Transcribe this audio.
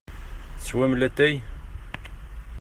Teswam latay?